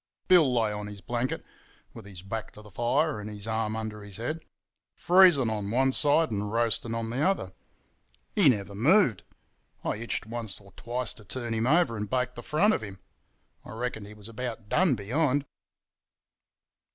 Bill lay on his blanket, with his back to the fire and his arm under his head—freezing on one side and roasting on the other. He never moved. I itched once or twice to turn him over and bake the front of him—I reckoned he was about done behind.